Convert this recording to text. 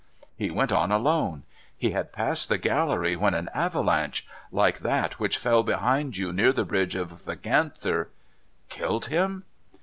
' He went on alone. He had passed the gallery when an avalanche — like that which fell behind you near the Bridge of the Ganther '' Killed him